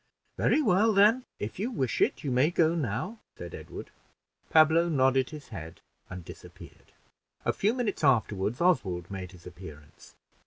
"Very well, then, if you wish it, you may go now," said Edward. Pablo nodded his head and disappeared. A few minutes afterward, Oswald made his appearance.